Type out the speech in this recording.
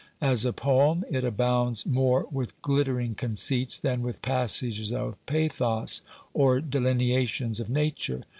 As a poem it abounds more with glittering conceits than with passages of pathos or delineations of nature.